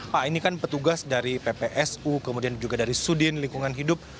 pak ini kan petugas dari ppsu kemudian juga dari sudin lingkungan hidup